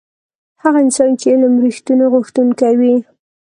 هغه انسان چې علم رښتونی غوښتونکی وي.